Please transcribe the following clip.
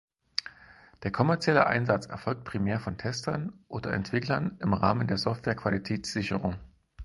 Der kommerzielle Einsatz erfolgt primär von Testern oder Entwicklern im Rahmen der Software-Qualitätssicherung.